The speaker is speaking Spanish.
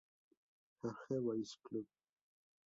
George Boys Club.